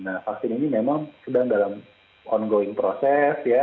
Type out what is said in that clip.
nah vaksin ini memang sedang dalam ongoing proses ya